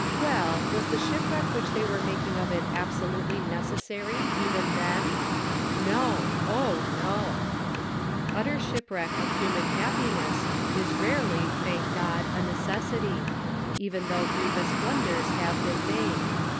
Well, was the ship wreck which they were making of it absolutely neccessary even then ? No ; oh, no !" Utter shipwreck of human happiness is rarely, thank God, a necessity; even though grievous blunders have been made.